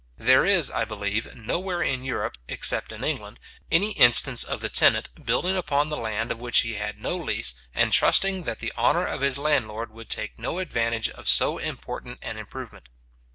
There is, I believe, nowhere in Europe, except in England, any instance of the tenant building upon the land of which he had no lease, and trusting that the honour of his landlord would take no advantage of so important an improvement.